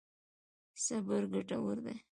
صبر ګټور دی.